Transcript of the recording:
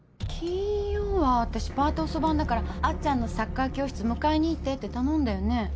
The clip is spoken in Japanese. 金曜は私パート遅番だからあっちゃんのサッカー教室迎えに行ってって頼んだよね？